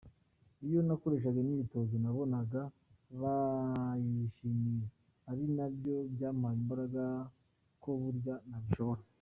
Iyo nakoreshaga imyitozo nabonaga bayishimiye ari nabyo byampaye imbaraga ko burya nabishobora.